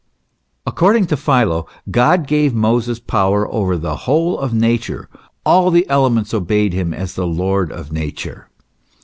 "* According to Philo, God gave Moses power over the whole of Nature; all the elements obeyed him as the Lord of Nature.